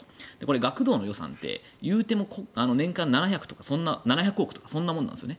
学童の予算っていっても年間７００億とかそんなものなんですよね。